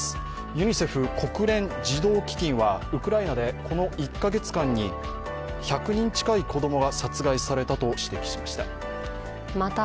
ユニセフ＝国連児童基金はウクライナでこの１カ月間に１００人近い子供が殺害されたと指摘しました。